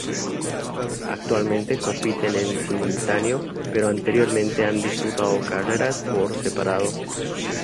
Actualmente compiten en simultáneo, pero anteriormente han disputados carreras por separado.